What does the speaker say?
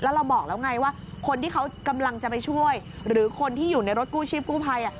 เราบอกแล้วไงว่าคนที่เขากำลังจะไปช่วยหรือคนที่อยู่ในรถกู้ชีพกู้ภัย